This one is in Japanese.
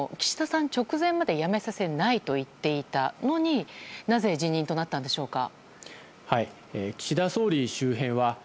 さん直前まで辞めさせないと言っていたのになぜ辞任となったんでしょうか？